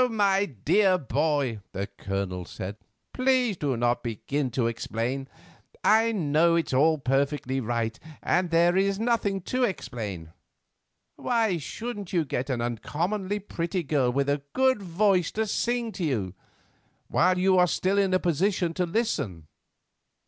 my dear boy," the Colonel said, "please do not begin to explain. I know it's all perfectly right, and there is nothing to explain. Why shouldn't you get an uncommonly pretty girl with a good voice to sing to you—while you are still in a position to listen?